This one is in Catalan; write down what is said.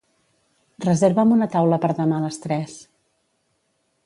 Reserva'm una taula per demà a les tres.